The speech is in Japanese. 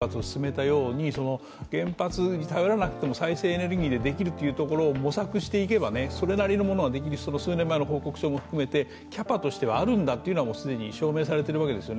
ドイツが脱原発を進めたように原発に頼らなくても再生エネルギーでできるということを模索していけばそれなりのものはできるし、数年前の報告書も含めてキャパとしてはあるんだということは既に証明されているわけです。